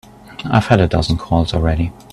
I've had a dozen calls already.